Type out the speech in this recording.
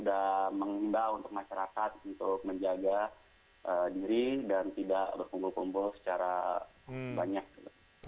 mengimbau untuk masyarakat untuk menjaga diri dan tidak berkumpul kumpul secara banyak gitu